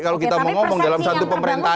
kalau kita mau ngomong dalam satu pemerintah